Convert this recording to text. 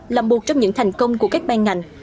là một trong những thành công của các ban ngành